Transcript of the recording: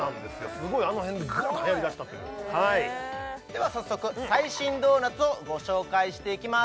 すごいあの辺でガッとはやり出したというでは早速最新ドーナツをご紹介していきます